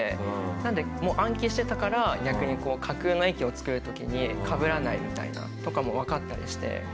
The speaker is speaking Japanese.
なので暗記してたから逆に架空の駅を作る時にかぶらないみたいなとかもわかったりして。